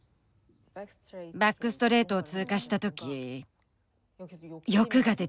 バックストレートを通過した時欲が出てしまった。